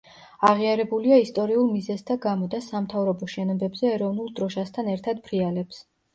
აღიარებულია ისტორიულ მიზეზთა გამო და სამთავრობო შენობებზე ეროვნულ დროშასთან ერთად ფრიალებს.